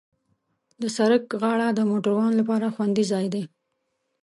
د سړک غاړه د موټروانو لپاره خوندي ځای دی.